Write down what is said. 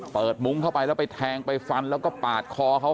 มุ้งเข้าไปแล้วไปแทงไปฟันแล้วก็ปาดคอเขา